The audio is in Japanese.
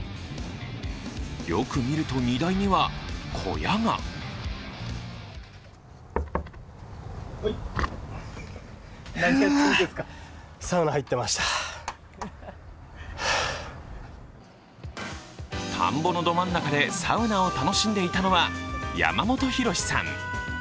よく見ると、荷台には小屋が田んぼのど真ん中でサウナを楽しんでいたのは山本広志さん。